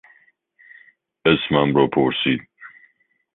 اسمم را پرسید.